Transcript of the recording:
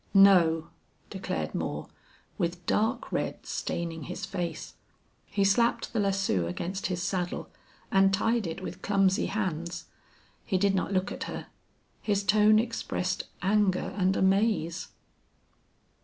"No!" declared Moore, with dark red staining his face. He slapped the lasso against his saddle, and tied it with clumsy hands. He did not look at her. His tone expressed anger and amaze.